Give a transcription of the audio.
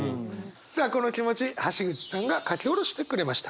さあこの気持ち橋口さんが書き下ろしてくれました。